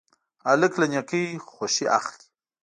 هلک له نیکۍ خوښي اخلي.